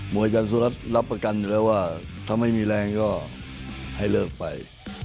อาจารย์สุรัสตร์รับประกันอยู่แล้วว่าถ้าไม่มีแรงก็ให้เลิกไป